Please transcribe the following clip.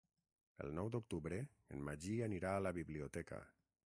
El nou d'octubre en Magí anirà a la biblioteca.